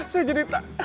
saya jadi tak